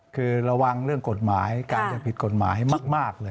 คือระวังเรื่องกฎหมายการจะผิดกฎหมายมากเลย